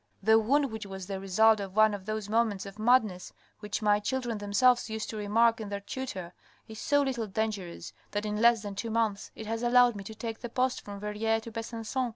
The wound, which was the result of one of those moments of madness, which my children themselves used to remark in their tutor, is so little dangerous than in less than two months it has allowed me to take the post from Verrieres to Besancon.